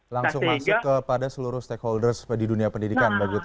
langsung masuk kepada seluruh stakeholders di dunia pendidikan